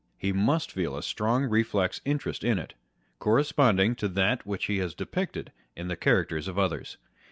He must feel a strong reflex interest in it, corresponding to that which he has depicted in the cha racters of others.